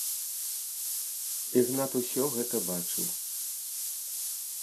Ігнат ўсё гэта бачыў.